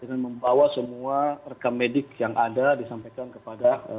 dengan membawa semua rekam medik yang ada disampaikan kepada bapak lukas nmb